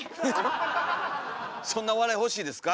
そんな笑い欲しいですか？